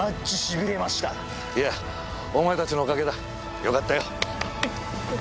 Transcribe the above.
いやお前たちのおかげだよかったよ。